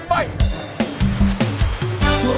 ร้องได้ให้ร้านคุณ